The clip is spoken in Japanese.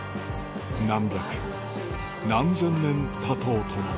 何百何千年経とうとも